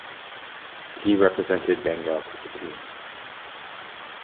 He represented Bengal cricket team.